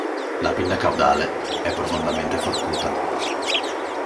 La pinna caudale è profondamente forcuta.